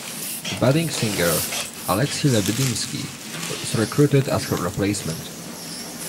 A budding singer, Alexey Lebedinsky, was recruited as her replacement.